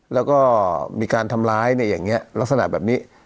แล้วมีการทำร้ายลักษณะแบบนี้